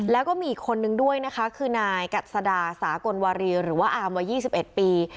แล้วก็มีอีกคนนึงด้วยนะคะคือนายกัศดาสากลวารีหรือว่าอามวัย๒๑ปี